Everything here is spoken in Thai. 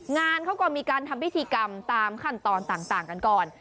งานเขาก็มีการทำพิธีกรรมตามขั้นตอนต่างกันก่อน